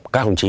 các công trí